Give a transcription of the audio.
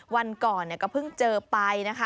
วันก่อนก็เพิ่งเจอไป